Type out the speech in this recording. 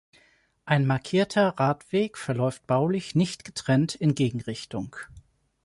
Ein markierter Radweg verläuft baulich nicht getrennt in Gegenrichtung.